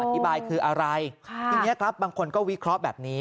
อธิบายคืออะไรทีนี้ครับบางคนก็วิเคราะห์แบบนี้